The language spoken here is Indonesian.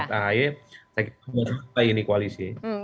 menurut ahy saya kira ini koalisi